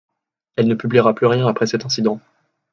Elle ne publiera plus rien après cet incident.